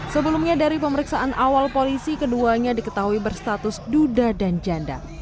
sebelumnya dari pemeriksaan awal polisi keduanya diketahui berstatus duda dan janda